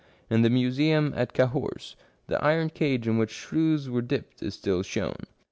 In the museum at Cahors the iron cage in which shrews were dipped is still shown.